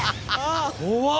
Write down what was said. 怖っ！